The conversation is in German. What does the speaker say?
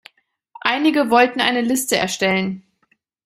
Einige wollten eine Liste erstellen.